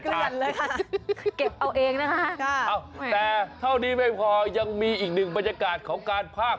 แต่เท่านี้ไม่พอยังมีอีกหนึ่งบรรยากาศของการพากษ์